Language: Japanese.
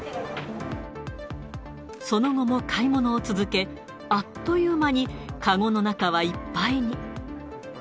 その後も買い物を続け、あっという間に籠の中はいっぱいに。